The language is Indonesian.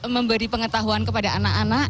memberi pengetahuan kepada anak anak